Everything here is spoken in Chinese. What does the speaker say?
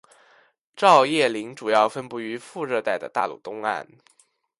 照叶林主要分布于副热带的大陆东岸。